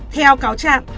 theo cáo chặn